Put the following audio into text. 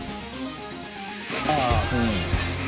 ああ！